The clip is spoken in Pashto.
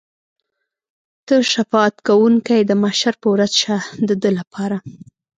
ته شفاعت کوونکی د محشر په ورځ شه د ده لپاره.